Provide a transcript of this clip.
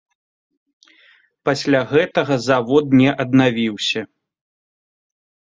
Пасля гэтага завод не аднавіўся.